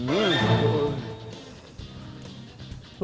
หมู